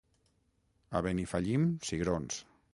A Benifallim, cigrons.